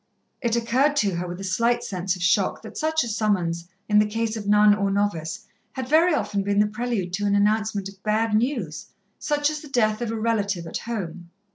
It occurred to her, with a slight sense of shock, that such a summons, in the case of nun or novice, had very often been the prelude to an announcement of bad news, such as the death of a relative at home.